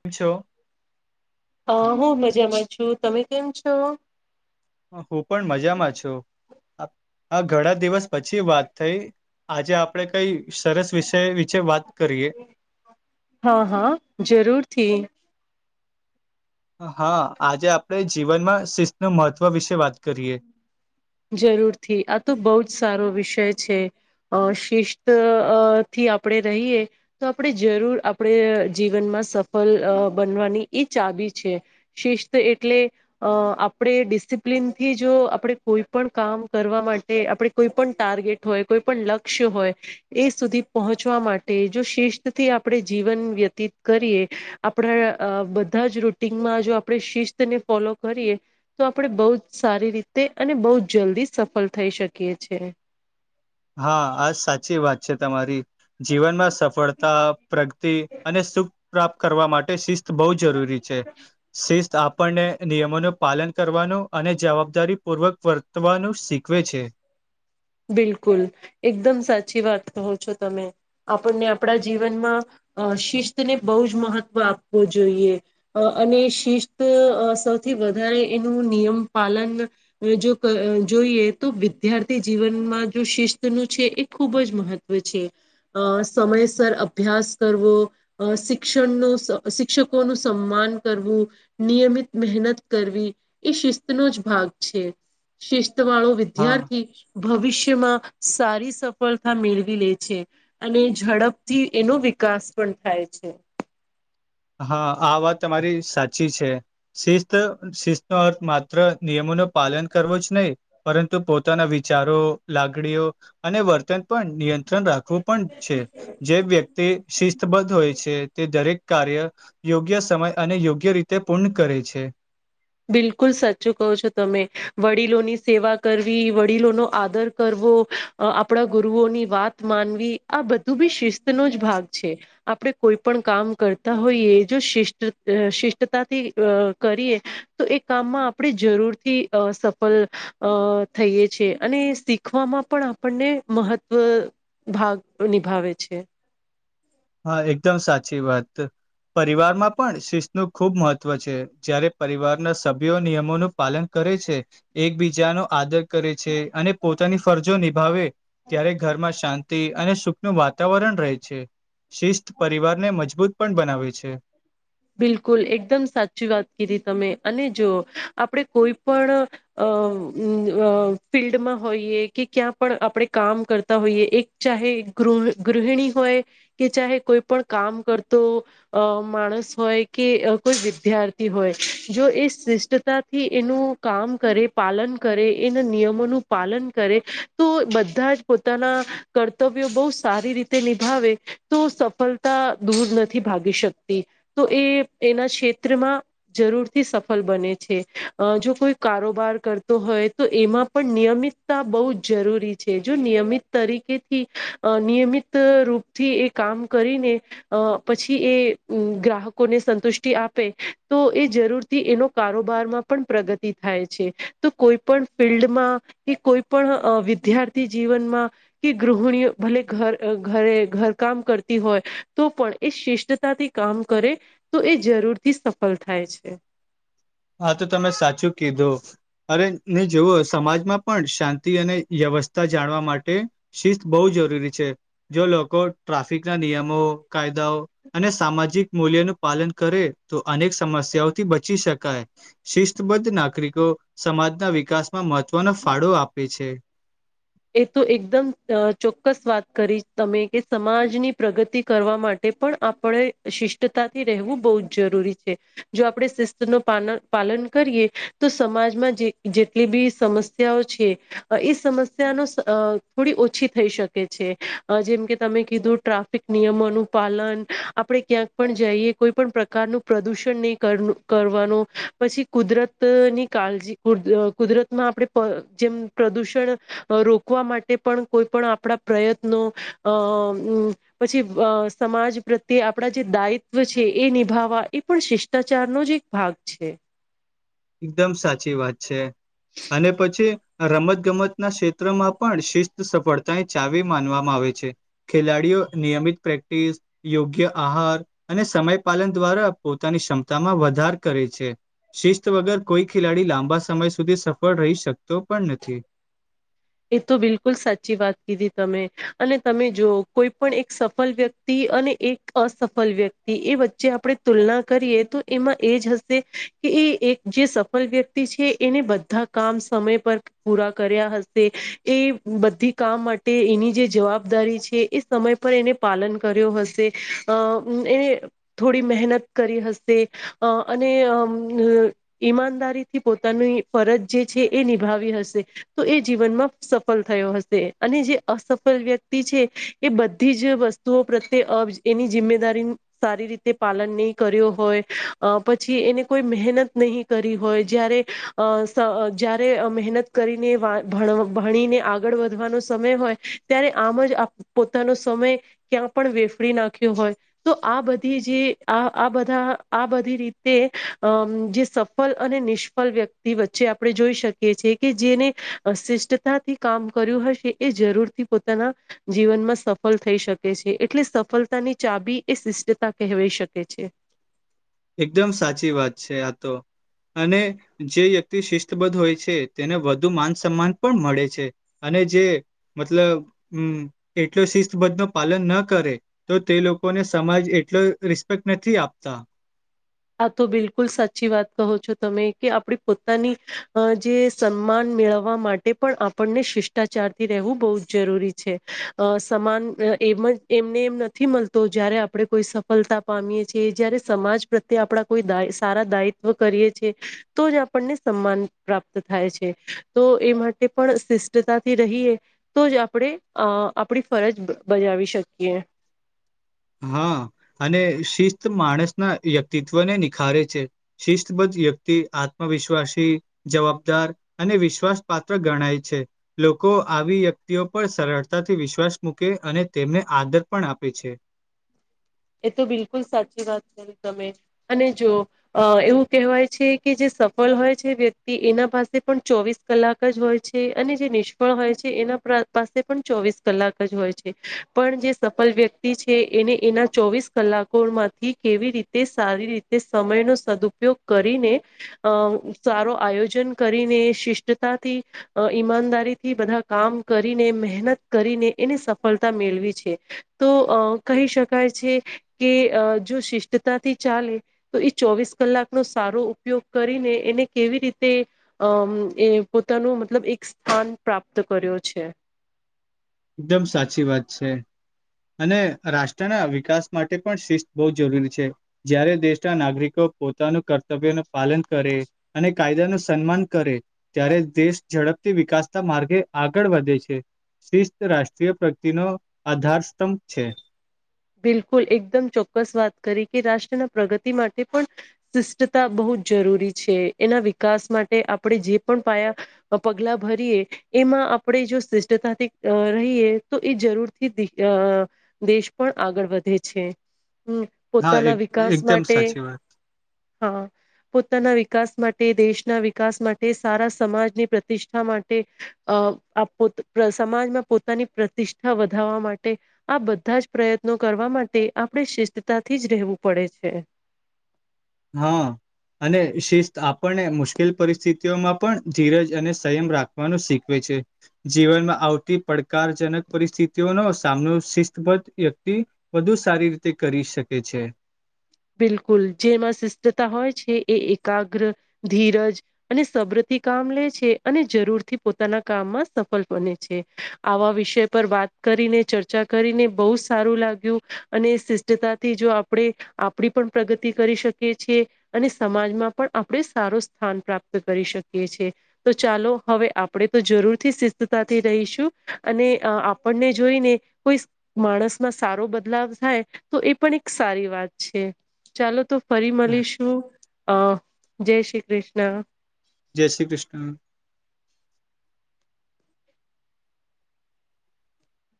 કેમ છો? હ હું મજામાં છું, તમે કેમ છો? હું પણ મજામાં છું, આ આ ઘણા દિવસ પછી વાત થઈ. આજે આપડે કઈ સરસ વિષય વિચે વાત કરીએ. હા હા જરૂરથી હા, આજે આપણે જીવનમાં શિસ્તનું મહત્ત્વ વિશે વાત કરીએ. જરૂરથી, આ તો બહુ જ સારો વિષય છે. અ શિસ્ત અ થી આપણે રહીએ, તો આપણે જરૂર આપણે જીવનમાં સફલ અ બનવાની ઇ ચાબી છે, શિસ્ત એટલે અ આપણે ડી સિપ્લિનથી જો આપણે કોઈ પળ કામ કરવા માટે, આપડે કોઈ પળ ટાર્ગેટ હોય, કોઈ પળ લક્ષ્ય હોય, એ સુધી પોહ ચવા માટે જો શિસ્તથી આપણે જીવન વ્યતીત કરીએ, આપણા અ બધા જ રૂટીનમાં જો આપણે શિસ્તને ફોલો કરીએ, તો આપડે બઉ જ સારી રીતે અને બઉ જ જલ્દી સફલ થઈ શકીયે છે. હા આ સાચી વાત છે તમારી, જીવનમાં સફળતા પ્રગતિ અને સુખ પ્રાપ્ત કરવા માટે શિસ્ત બહુ જરૂરી છે, શિસ્ત આપણને અ નિયમોનું પાલન કરવાનું અને જવાબદારીપૂર્વક વર્તવાનું શીખવે છે. બિલકુલ, એકદમ સાચી વાત કહો છો તમે. આપણને આપણા જીવનમાં અ શિસ્તને બહુ જ મહત્વ આપુ જોઈએ. અને શિસ્ત અ સૌથી વધારે એનું નિયમ પાલન જો ક જો ઈએ તો વિદ્યાર્થી જીવનમાં જો શિસ્ત નું છે, એ ખૂબ જ મહત્વ છે, અ સમયસર અભ્યા સ કરવો, અ શિક્ષણ નું સ શિક્ષકો નું સન્માન કરવું, નિયમિત મહેનત કરવી, એ શિસ્તનો જ ભાગ છે, શિસ્ત વાળો હા વિદ્યાર્થી ભવિષ્યમાં સારી સફળતા મેળવી લે છે, અને ઝડપથી એનો વિ કાસ પણ થાય છે. [inaudible] હા આ વાત તમારી સાચી છે, શિસ્ત શિસ્તનો અર્થ માત્ર નિયમો નો પાલન કરવો જ નહીં, પરંતુ પોતાના વિચારો, લાગણીઓ અને વર્તન પણ નિયં ત્રળ રાખવું પણ છે, જે વ્યક્તિ શિસ્તબદ્ધ હોય છે, તે દરેક કાર્ય યોગ્ય સમય અને યોગ્ય રીતે પૂર્ણ કરે છે. બિલકુલ સાચું કહો છો તમે, વડીલોની સેવા કરવી, વડીલોનો આદર કર વો અ આપણા ગુરુઓની વાત માનવી, આ બધું બી શિસ્ત નો જ ભાગ છે. આપણે કોઈ પણ કામ કરતા હોઈએ, જો શિ્ટ શિષ્ટતાથી અ કરીએ તો એ કામમાં આપણે જરૂરથી અ સફલ અ થઈએ છે અને એ સીખવામાં પણ આપણને મહત્વ ભાગ નિભાવે છે. હા એકદમ સાચી વાત. પરિવારમાં પણ શીશ નું ખૂબ મહત્વ છે, જયારે પરિવારના સભ્યો નિયમોનું પાલન કરે છે, એકબીજાનો આદર કરે છે અને પોતાની ફરજો નિભાવે, ત્યારે ઘરમાં શાં તી અને સુખનું વાતાવરણ રહે છે. શિસ્ત પરિવારને મજબૂત પણ બનાવે છે બિલકુલ એકદમ સાચી વાત કરી તમે અને જો આપણે કોઈ પણ ફિલ્ડમાં હોઈએ કે ક્યાં પણ આપણે કામ કરતા હોઈએ એક ચાહે ગૃહિણી હોય કે ચાહે કોઈ પણ કામ કરતો માણસ હોય કે કોઈ વિદ્યાર્થી હોય જો એ શિષ્ટતાથી એનું કામ કરે પાલન કરે એના નિયમોનું પાલન કરે તો બધા જ પોતાના કર્તવ્ય બહું સારી રીતે નિભાવે તો સફળતા દૂર નથી ભાગી શકતી તો એ એના ક્ષેત્રમાં જરૂરથી સફળ બને છે જો કોઈ કારોબાર કરતો હોય તો એમાં પણ નિયમિતતા બહુ જ જરૂરી છે જો નિયમિત તરીકેથી અ નિયમિત રૂપથી એ કામ કરીને અ પછી એ ગ્રાહક લોકોને સંતુષ્ટિ આપે તો એ જરૂર થી એનો કારોબારમાં પણ પ્રગતિ થાય છે તો કોઈ પણ ફિલ્ડમાં કે કોઈ પણ વિદ્યાર્થી જીવનમાં કે ગૃહિણીઓ ભલે ઘર ઘરે ઘર કામ કરતી હોય તો પણ એ શિષ્ટતાથી કામ કરે તો એ જરૂરથી સફળ થાય છે હા તો તમે સાચું કીધો અરે ને જોવોઓ સમાજમાં પણ શાંતિ અને વ્યવસ્થા જાણવા માટે શિસ્ત બહુ જરૂરી છે જો લોકો ટ્રાફિક ના નિયમો કાયદાઓ અને સામાજિક મૂલ્યો નું પાલન કરે તો અનેક સમસ્યાઓથી બચી શકાય શિસ્તબદ્ધ નાગરિકો સમાજના વિકાસમાં મહત્વનો ફાળો આપે છે એ તો એકદમ ચોક્કસ વાત કરીશ તમે કે સમાજની પ્રગતિ કરવા માટે પણ આપણે, શિષ્ટતા થી રહેવું બહુ જ જરૂરી છે. જો આપે શિસ્ત નુ પાલન. પાલન કરીએ તો સમાજમાં જેટલી બી સમસ્યાઓ છેઃ એ સમસ્યા થોડી ઓછી થઈ શકે છે. જેમકે તમે કીધું ટ્રાફિક નિયમોનું પાલન પાલન આપડે ક્યાંક પણ જઈએ કોઈ પણ પ્રકારનું પ્રદુષણ નહીં કરવાનું, પછી કુદરત ની કાળજી કુદરત માં આપણે જેમ પ્રદુષણ. રોકવા માટે પણ કોઈ પણ આપણા પ્રયત્નો અ પછી. સમાજ પ્રત્યે આપણા જે દાયિત્વ છે. એ નિભાવવા એ પણ શિષ્ટાચારનો જ એક ભાગ છે. એકદમ સાચી વાત છે. અને પછી રમતગમત ના ક્ષેત્રમાં પણ શિસ્ત સફળતાની ચાવી માનવામાં આવે. ખેલાડીઓ નિયમિત પ્રેક્ટિસ યોગ્ય આહાર અને સમય પાલન દ્વારા. પોતાની ક્ષમતામાં વધારો કરે છે. શિસ્ત, વગર કોઈ ખેલાડી લાંબા સમય સુધી સફળ રહી શકતો પણ નથી. એ તો બિલકુલ સાચી વાત કીધી તમે અને તમે જો કોઈ પણ એક સફળ વ્યક્તિ. અને એક અસફલ વ્યક્તિ એ વચ્ચે આપણે તુલના કરીએ તો એમાં એ જ હશે. કે એ એક જે સફળ વ્યક્તિ છે. એને બધા કામ સમય પર પૂરા કર્યા. એ બધી કામ માટે એની જે જવાબદારી છે. એ સમય પર એને પાલન કરયો એ થોડી મહેનત કરી હશે અને. ઈમાનદારી થી પોતાની ફરજ જે છે. એ નિભાવી હશે તો એ જીવનમાં સફળ થયો હશે અને જે અસફલ વ્યક્તિ છે. એ બધી જ વસ્તુઓ, પ્રત્યે એની જિમ્મેદારી સારી રીતે પાલન નહી કર્યો હોય પછી એને કો મહેનત નહી કરી હોય જ્યારે જ્યારે મહેનત કરીને. ભણ ભણીને આગળ વધવાનો સમય હોય ત્યારે આમ જ પોતાનો સમય કયાક. પણ વેફડી નાખ્યો હોય તો આ બધી જે આ બધા આ બધી રીતે. અમ જે સફળ અને નિષ્ફળ વ્યક્તિ વચ્ચે આપણે જોઈ શકીએ છીએ કે જેને. અશિષ્ટતાથી કામ કર્યું હશે એ જરૂરથી પોતાના જીવનમાં સફળ થઈ શકે છે. એટલે સફળતાની ચાવી એ શિષ્ટતા કહેવાય શકે છે. એકદમ સાચી વાત છે. આ તો અને જે વ્યક્તિ શિસ્તબદ્ધ હોય છે. તેને વધુ માન સન્માન પણ મળે છે. જે મતલબ એટલો શિસ્તબદ્ધ નો પાલન ના કરે તો તે લોકોને. સમાજ એટલી રિસ્પેક્ટ નથી આપતા. હા તો બિલકુલ સાચી વાત કહો છો. તમે કે આપડે પોતાની જે સન્માન મેળવવા માટે પણ આપણને શિષ્ટાચારથી રહેવું બહુ જ જરૂરી છે અ સમાન એમ એમને એમ નથી મળતો જ્યારે આપડે કોઈ સફળતા પામીએ છીએ જયારે સમાજ પ્રત્યે આપડા કોઈ દા સારા દાયિત્વ કરીએ છીએ તો જ આપણને સન્માન પ્રાપ્ત થાય છે. તો એ માટે પણ શિષ્ટતાથી રહીએ તો જ આપડે અ આપડી ફરજ. બજાવી શકીએ. [inaudible] હા અને શિસ્ત માણસના વ્યક્તિત્વને નિખારે છે. શિસ્ત બધ વ્યક્તિ આત્મવિશ્વાસી જવાબદાર અને વિશ્વાસ પાત્ર ગણાય છે લો કો આવી વ્યક્તિઓ પર સરળતાથી વિશ્વાસ મૂકે અને તેમને આદર પણ આપે છે. એ તો બિલકુલ સાચી વાત કરી તમે અને જો અ એવું કહેવાય છે કે જે સફળ હોય છે વ્યક્તિ એના પાસે પણ ચોવીસ કલાક જ હોય છે અને જે નિષ્ફળ હોય છે એના પાસે પણ ચોવીસ કલાક જ હોય છે. પણ જે સફલ વ્યક્તિ છે. એને એનાં ચોવીસ કલાકો માંથી કેવી રીતે સારી રીતે સમયનો સદુપયોગ કરીને અ સારો આયોજન કરીને શિષ્ટતાથી ઈમાનદારીથી બધા કામ કરી મહેનત કરીને એને સફળતા મેળવી છે તો કહી શક કાય છે કે જો શિષ્ટતાથી ચાલે તો એ ચોવીસ કલાકનો સારો ઉપયો ગ કરીને એને કેવી રીતે અ એ પોતાનું મતલબ એક સ્થાન પ્રાપ્ત કર્યો છે. દમ સાચી વાત છે. અને રાષ્ટ્રના વિકાસ માટે પણ શિસ્ત બહુ જરૂરી છે જ્યારે દેશના નાગરિકો પોતાનું કર્તવ્ય ન પાલન કરે અને કાયદા નું સન્માન કરે ત્યારે દેશ જડ ડપથી વિકાસતા માર્ગે આગળ વધે છે શિસ્ રાષ્ટ્રીય પ્રગતિનો આધારસ્તંભ છે. બિલકુલ એકદમ ચોક્કસ વાત કરી કે રાષ્ટ્રના પ્રગતિ માટે પણ શિષ્ટતા બહુ જરૂરી છે એના વિકાસ માટે આપડે જે પણ પાયા પગલા ભરીએ એમ માં આપડે જો શિષ્ટતાથી રહીએ તો એ જરૂરથી અ દેશ પણ આગળ વધે છે. હમ હા પોતાના એક વિકાસ એકદમ માટે સાચી વાત. હા પોતાના વી કાસ માટે દેશના વિકાસ માટે સારા સમાજની પ્રતિષ્ઠા માટે અ આપો સમાજમાં પોતાની પ્રતિષ્ઠા વધારવા માટે આ બધા જ પ્રયત્નો કરવા માટે આપણે શિસ્તતાથી જ રહેવું પડે છે. હા. અને શિસ્ત આપણને મુશ્કેલ પરિસ્થિતિઓમાં પણ ધીરજ અને સંયમ રાખવાનું શીખવે. છે જીવનમાં આવતી પડકારજનક પરિસ્થિતિઓનો સામનો શિસ્તબદ્ધ વ્યક્તિ વધુ સારી રીતે કરી શકે છે. બિલકુલ જેમાં શિષ્ટતા હોય છે એ એકાગ્ર ધીરજ અને સબ્ર. થી કામ લે છે અને જરૂર થી પોતાના કામમાં સફળ બને છે આવા વિષય પર વાત કરીને ચર્ચા કરીને બહુ સારું લાગ્યું અને શિષ્ટતાથી જો આપડે આપ પડી પણ પ્રગતિ કરી શકીએ છીએ અને સમાજમાં પણ આપડે સારું સ્થાન પ્રાપ્ત કરી શક કિયે છે તો ચાલો હવે આપણે તો જરૂરથી શિસ્તાથી રહીશું અને આપ ને જોઈને કોઈ માણસ માં સારો બદલાવ થાય તો એ પણ એક સારી વાત છે ચાલો તો ફરી મલીશું અ જય શ્રી ક્રિષ્ન. જય શ્રી ક્રિષ્ન